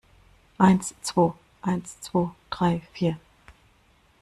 Eins zwo, eins zwo drei vier!